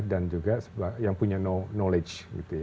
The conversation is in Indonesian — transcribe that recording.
juga yang punya knowledge